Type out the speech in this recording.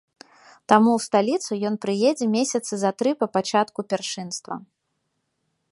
Таму ў сталіцу ён прыедзе месяцы за тры па пачатку першынства.